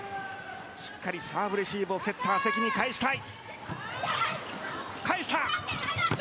しっかりサーブレシーブをセッターの関に返したい。